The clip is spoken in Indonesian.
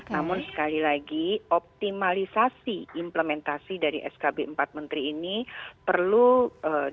namun sekali lagi optimalisasi implementasi dari skb empat menteri ini perlu dilakukan